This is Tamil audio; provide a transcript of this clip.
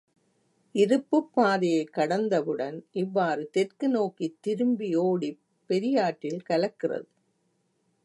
இருப்புப் பாதையைக் கடந்தவுடன் இவ்வாறு தெற்கு நோக்கித் திரும்பியோடிப் பெரியாற்றில் கலக்கிறது.